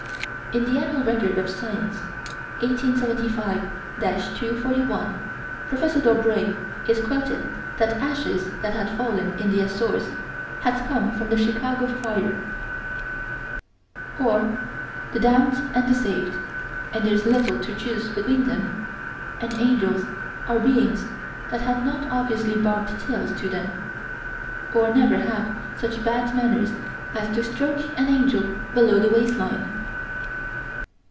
In the Annual Record of Science, 1875 241, Prof. Daubrée is quoted: that ashes that had fallen in the Azores had come from the Chicago fire Or the damned and the saved, and there's little to choose between them; and angels are beings that have not obviously barbed tails to them or never have such bad manners as to stroke an angel below the waist line.